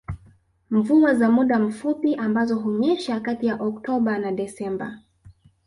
Mvua za muda mfupi ambazo hunyesha kati ya Oktoba na Desemba